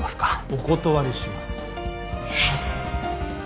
お断りします